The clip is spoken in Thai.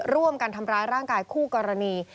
ร่วมกันทำร้ายร่างกายคู่กรณี